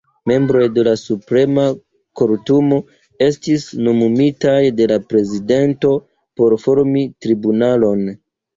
Membroj de la Suprema Kortumo estis nomumitaj de la prezidento por formi tribunalon.